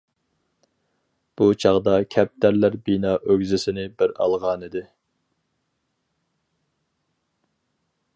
بۇ چاغدا كەپتەرلەر بىنا ئۆگزىسىنى بىر ئالغانىدى.